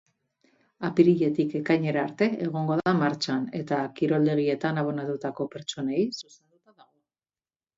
Apiriletik ekainera arte egongo da martxan, eta kiroldegietan abonatutako pertsonei zuzenduta dago.